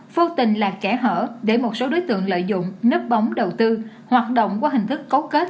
vô tình là kẻ hở để một số đối tượng lợi dụng nấp bóng đầu tư hoạt động qua hình thức cấu kết